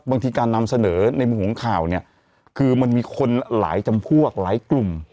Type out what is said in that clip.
บางทีการนำเสนอในมุมของข่าวเนี่ยคือมันมีคนหลายจำพวกหลายกลุ่ม